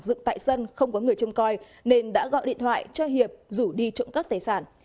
dựng tại sân không có người châm coi nên đã gọi điện thoại cho hiệp rủ đi trộm cắp tài sản